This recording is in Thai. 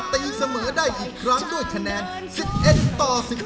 ตีเสมอได้อีกครั้งด้วยคะแนน๑๑ต่อ๑๒